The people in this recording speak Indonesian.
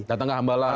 datang ke hambahlang